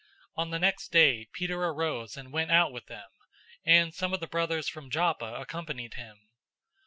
On the next day Peter arose and went out with them, and some of the brothers from Joppa accompanied him.